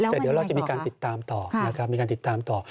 แต่เดี๋ยวเราจะมีการติดตามต่อ